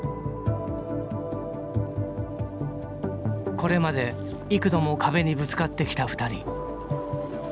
これまで幾度も壁にぶつかってきた２人。